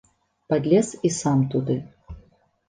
Падлез і сам туды.